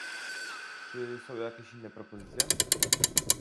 Czy są jakieś inne propozycje?